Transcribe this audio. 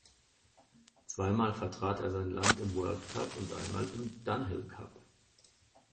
Zweimal vertrat er sein Land im World Cup und einmal im "Dunhill Cup".